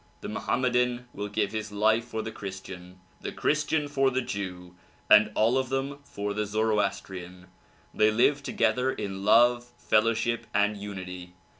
The ]\Iohammedan will give his life for the Christian, the Christian for the Jew, and all of them for the Zoroastrian. They live together in love, fellowship and unity.